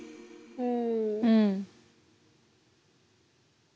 うん。